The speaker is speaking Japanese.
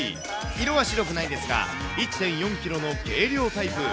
色は白くないですが、１．４キロの軽量タイプ。